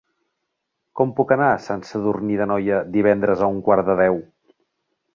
Com puc anar a Sant Sadurní d'Anoia divendres a un quart de deu?